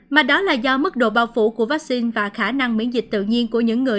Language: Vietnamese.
mà đó là do mức độ bao phủ của vaccine và khả năng miễn dịch tự nhiên của những người